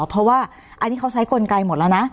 เพราะว่าอันนี้เขาใช้กลไกหมดแล้วนะ